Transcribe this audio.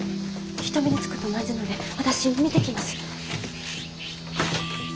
人目につくとまずいので私見てきます。